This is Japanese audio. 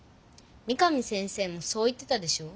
三上先生もそう言ってたでしょ。